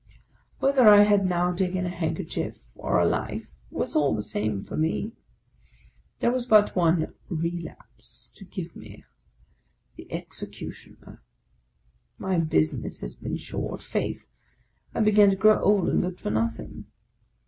Whether I had now taken a handkerchief or a life was all the same for me. There was but one ' relapse ' to give me, — the executioner. My business has been short : faith, I began to grow old and good for nothing.